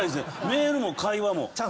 メールも会話も。